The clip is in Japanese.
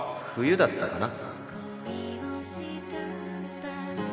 冬だったかな？